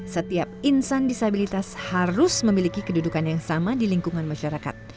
setiap insan disabilitas harus memiliki kedudukan yang sama di lingkungan masyarakat